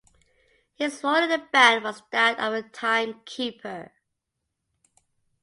His role in the band was that of a time-keeper.